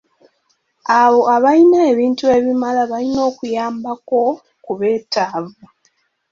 Abo abalina ebintu ebimala balina okuyambako ku betaavu.